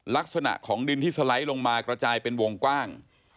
ลักษณะของดินที่สไลด์ลงมากระจายเป็นวงกว้าง